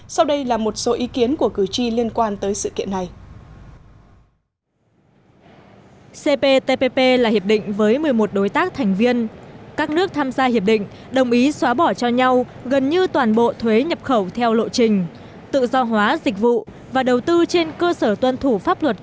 sau đây là một số ý kiến của cử tri liên quan tới sự kiện này